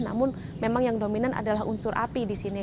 namun memang yang dominan adalah unsur api di sini